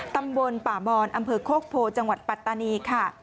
ตำบลป่ามอนอำเภอโคกโพจังหวัดปัตตานีค่ะ